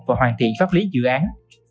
và hoàn thiện pháp lý dự án